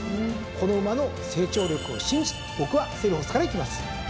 この馬の成長力を信じて僕はセリフォスからいきます。